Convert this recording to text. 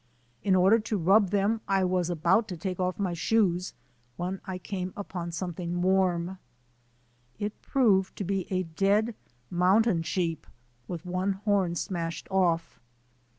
In order to rub them I was about to take off my shoes when I came upon something warm. It proved to be a dead SNOW BLINDED ON THE SUMMIT , 3 mountain sheep with one horn smashed off.